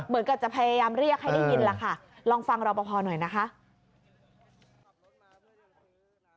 เหมือนกับจะพยายามเรียกให้ได้ยินล่ะค่ะลองฟังรอปภหน่อยนะคะ